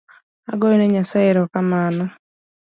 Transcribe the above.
Agoyone Nyasaye erokamano